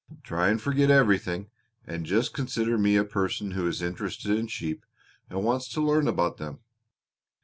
Try and forget everything, and just consider me a person who is interested in sheep and wants to learn about them.